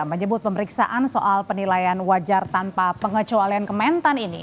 menyebut pemeriksaan soal penilaian wajar tanpa pengecualian kementan ini